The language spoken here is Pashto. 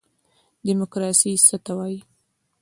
دیموکراسي څه ته وایي؟